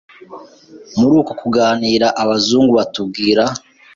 Muri uko kuganira abazungu batubwira